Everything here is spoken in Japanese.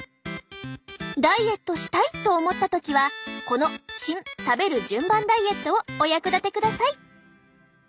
ダイエットしたいと思った時はこのシン食べる順番ダイエットをお役立てください。